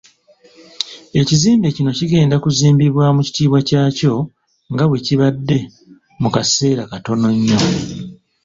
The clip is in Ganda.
Ekizimbe kino kigenda kunzimbibwa mu kitiibwa kyakyo nga bwe kibadde mu kaseera katono nnyo.